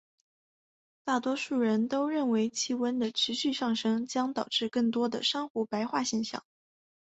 大多数人都认为气温的持续上升将导致更多的珊瑚白化现象。